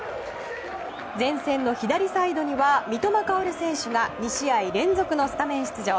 前線の左サイドには三笘薫選手が２試合連続のスタメン出場。